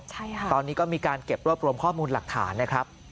ใช่ค่ะตอนนี้ก็มีการเก็บรวบรวมข้อมูลหลักฐานนะครับ